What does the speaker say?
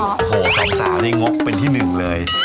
โหสร้างสาริงบเป็นที่หนึ่งเลย